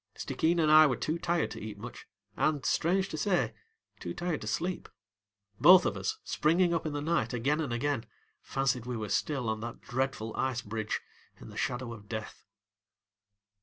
Stickeen and I were too tired to eat much, and, strange to say, too tired to sleep. Both of us, springing up in the night again and again, fancied we were still on that dreadful ice bridge in the shadow of death.